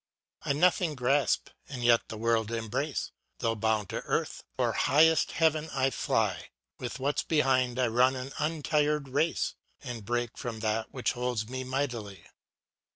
I nothing grasp, and yet the world embrace, Though bound to earth, o'er highest heaven I fly, With what's behind I run an untired race, And break from that which holds me mightily.